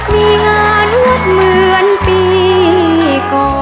มีงานนวดเหมือนปีก่อ